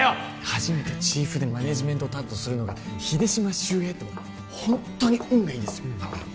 初めてチーフでマネージメント担当するのが秀島修平ってもうホントに運がいいですよ